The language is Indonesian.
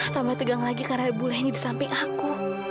tambah tegang lagi karena bule ini di samping aku